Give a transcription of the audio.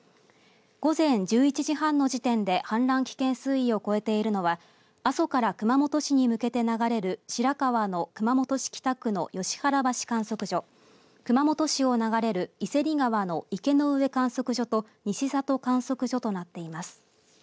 午前１１時半の時点で氾濫危険水位を超えているのは阿蘇から熊本市に向けて流れる白川の熊本市北区の吉原橋観測所熊本市を流れる井芹川の池上観測所と西里観測所となっています。